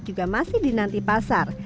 juga masih dinanti pasar